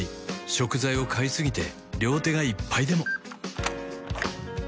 食材を買いすぎて両手がいっぱいでも